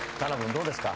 どうですか？